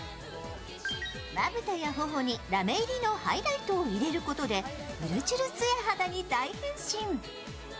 まぶたや頬にラメ入りのハイライトを入れることでうるちゅる艶肌に大変身。